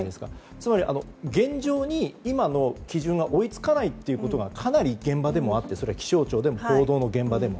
つまり現状に、今の基準が追いつかないということがかなり現場でもあって気象庁でも報道の現場でも。